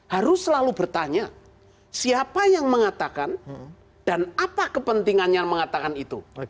harus selalu bertanya siapa yang mengatakan dan apa kepentingannya mengatakan itu